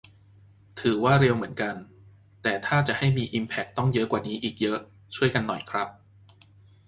ถือว่า เร็วเหมือนกัน แต่ถ้าจะให้มีอิมแพคต้องเยอะกว่านี้อีกเยอะ ช่วยกันหน่อยครับ